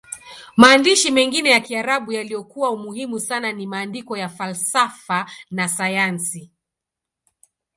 Maandishi mengine ya Kiarabu yaliyokuwa muhimu sana ni maandiko ya falsafa na sayansi.